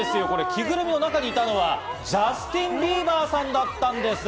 着ぐるみの中にいたのはジャスティン・ビーバーさんだったんです。